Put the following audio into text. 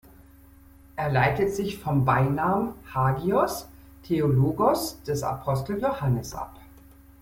Er leitet sich vom Beinamen "Hagios Theologos" des Apostels Johannes ab.